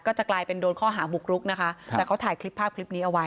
ก็จะกลายเป็นโดนข้อหาบุกรุกนะคะแต่เขาถ่ายคลิปภาพคลิปนี้เอาไว้